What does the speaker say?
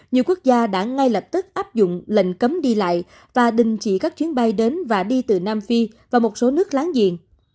nhiều quốc gia đã ngay lập tức áp dụng lệnh cấm đi lại và đình chỉ các chuyến bay đến và đi từ nam phi và một số nước láng giềng